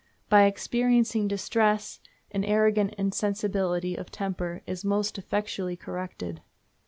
By experiencing distress an arrogant insensibility of temper is most effectually corrected.